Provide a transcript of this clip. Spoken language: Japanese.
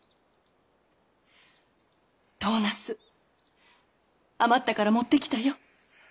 唐茄子余ったから持ってきたよ。